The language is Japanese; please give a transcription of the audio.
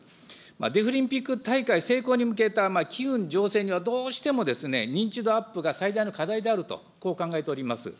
デフリンピック大会成功に向けた機運醸成には、どうしても認知度アップが最大の課題であると、こう考えております。